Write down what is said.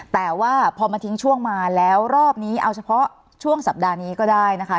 แต่ว่าพอมาทิ้งช่วงมาแล้วรอบนี้เอาเฉพาะช่วงสัปดาห์นี้ก็ได้นะคะ